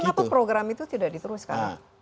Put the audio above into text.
kenapa program itu tidak diteruskan